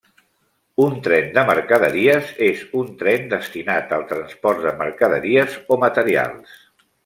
Un tren de mercaderies és un tren destinat al transport de mercaderies o materials.